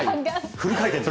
フル回転。